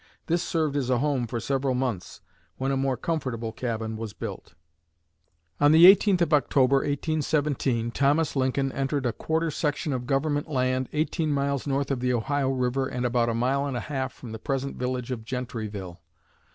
This served as a home for several months, when a more comfortable cabin was built. On the eighteenth of October, 1817, Thomas Lincoln entered a quarter section of government land eighteen miles north of the Ohio river and about a mile and a half from the present village of Gentryville.